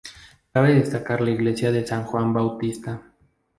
Cabe destacar la iglesia de San Juan Bautista.